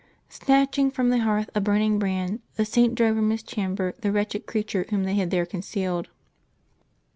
Snatching from the hearth a burning brand, the Saint drove from his chamber the wretched creature whom they had there concealed.